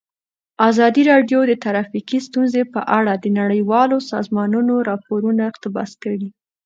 ازادي راډیو د ټرافیکي ستونزې په اړه د نړیوالو سازمانونو راپورونه اقتباس کړي.